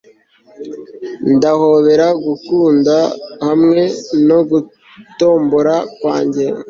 ndahobera gukunda hamwe no gutombora kwanjye